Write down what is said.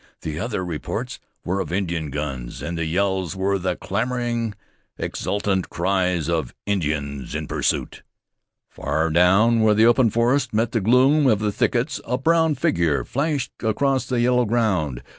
The other reports were of Indian guns, and the yells were the clamoring, exultant cries of Indians in pursuit. Far down where the open forest met the gloom of the thickets, a brown figure flashed across the yellow ground.